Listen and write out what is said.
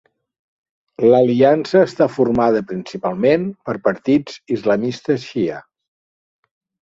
L'Aliança està formada principalment per partits islamistes Shi'a.